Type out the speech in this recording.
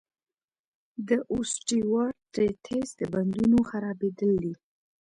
د اوسټیوارتریتس د بندونو خرابېدل دي.